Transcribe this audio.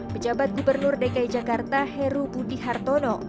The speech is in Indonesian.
pejabat gubernur dki jakarta heru budi hartono